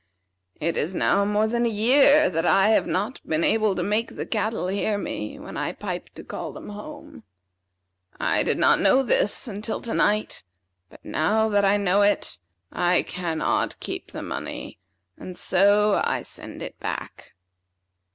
It is now more than a year that I have not been able to make the cattle hear me, when I piped to call them home. I did not know this until to night; but now that I know it, I cannot keep the money, and so I send it back."